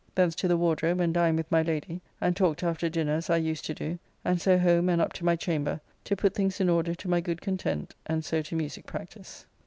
Thence to the Wardrobe and dined with my Lady, and talked after dinner as I used to do, and so home and up to my chamber to put things in order to my good content, and so to musique practice.